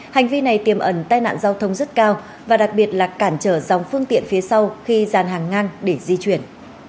hành vi này tiềm ẩn tai nạn giao thông rất cao và đặc biệt là cản trở dòng phương tiện phía sau khi dàn hàng ngang để di chuyển